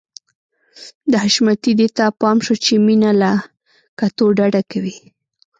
د حشمتي دې ته پام شو چې مينه له کتو ډډه کوي.